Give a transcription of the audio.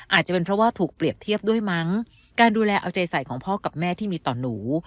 อาจจะเป็นเพราะว่าถูกเปรียบเทียบด้วยมั้งการดูแลเอาใจใส่ของพ่อกับแม่ที่มีต่อหนู